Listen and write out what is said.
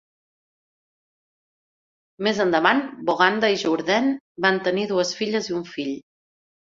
Més endavant Boganda i Jourdain van tenir dues filles i un fill.